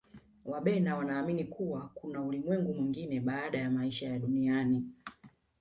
wabena wanaamini kuwa kuna ulimwengu mwingine baada ya maisha ya duniani